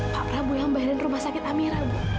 pak prabu yang bayarin rumah sakit amiran